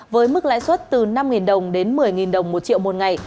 với mức lãi suất từ năm đồng đến một mươi đồng một triệu một ngày